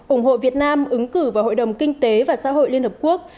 ủng hộ việt nam ứng cử vào hội đồng kinh tế và xã hội liên hợp quốc